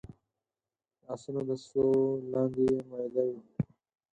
د اسونو د سوو لاندې يې ميده يو